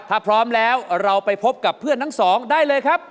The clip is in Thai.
ถ้าพร้อมแล้วเราไปพบกับเพื่อนทั้งสองได้เลยครับ